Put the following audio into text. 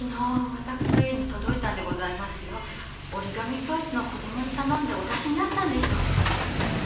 折り紙教室の子供に頼んでお出しになったんでしょう。